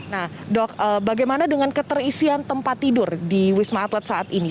nah dok bagaimana dengan keterisian tempat tidur di wisma atlet saat ini